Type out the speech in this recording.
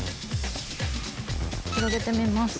広げてみます。